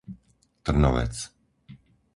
Trnovec